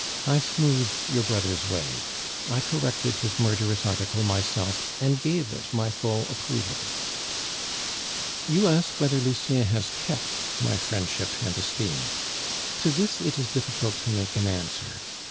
I smoothed your brother's way; I corrected his murderous article myself, and gave it my full approval. "You ask whether Lucien has kept my friendship and esteem; to this it is difficult to make an answer.